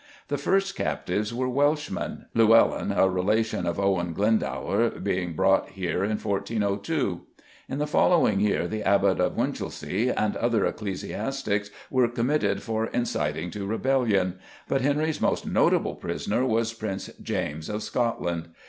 The first captives were Welshmen Llewellyn, a relation of Owen Glendower, being brought here in 1402. In the following year the Abbot of Winchelsea and other ecclesiastics were committed for inciting to rebellion, but Henry's most notable prisoner was Prince James of Scotland.